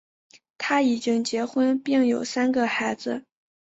他已经结婚并有三个孩子。